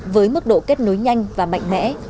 với mức độ kết nối nhanh và mạnh mẽ